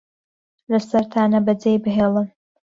لەسەرتانە بەجێی بهێڵن